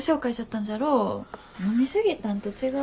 飲み過ぎたんと違う？